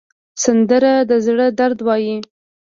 سندره د زړه درد وایي